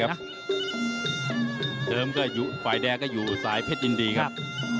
เดิมก็อยู่ฝ่ายแดงก็อยู่สายเพชรยินดีครับ